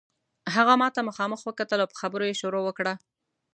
هغه ماته مخامخ وکتل او په خبرو یې شروع وکړه.